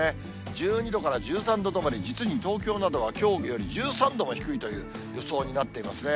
１２度から１３度止まり、実に東京などはきょうより１３度も低いという予想になってますね。